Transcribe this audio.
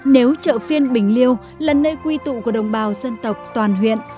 nếu chợ phiên bình liêu là nơi quy tụ của đồng bào dân tộc toàn huyện